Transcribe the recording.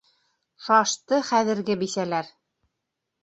Шашты хәҙерге бисәләр.